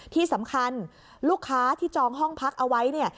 ที่สำคัญลูกค้าที่จองห้องพักเอาไว้เนี่ย